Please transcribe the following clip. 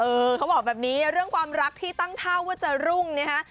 เขาบอกแบบนี้เรื่องความรักที่ตั้งท่าว่าจะรุ่งนะฮะ